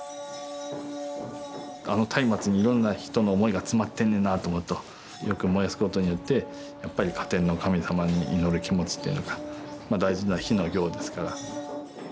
あの松明にいろんな人の思いが詰まってんねんなあと思うとよく燃やすことによってやっぱり火天の神様に祈る気持ちっていうのか大事な火の行ですから。